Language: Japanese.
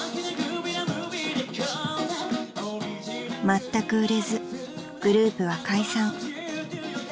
［まったく売れずグループは解散］